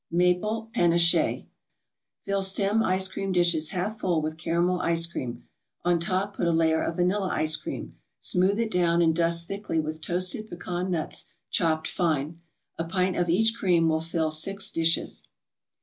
MAPLE PANACHÉE Fill stem ice cream dishes half full with caramel ice cream; on top put a layer of vanilla ice cream. Smooth it down and dust thickly with toasted pecan nuts chopped fine. A pint of each cream will fill six dishes.